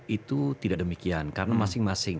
itu tidak demikian karena masing masing